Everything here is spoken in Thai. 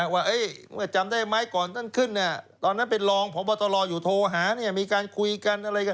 ว่าจำได้ไหมก่อนต้นขึ้นตอนนั้นเป็นรองพบตอยู่โทรหามีการคุยกัน